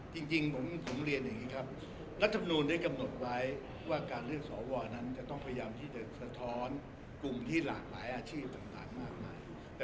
จริงผมเรียนอย่างนี้ครับรัฐมนูลได้กำหนดไว้ว่าการเลือกสวนั้นจะต้องพยายามที่จะสะท้อนกลุ่มที่หลากหลายอาชีพต่างมากมาย